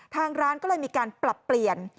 ทางร้านก็เลยมีการปรับเปลี่ยน